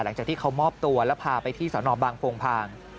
หลังจากที่เขามอบตัวแล้วพาไปที่สนบางโพงพาง